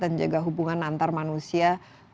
dan juga hubungan antar manusia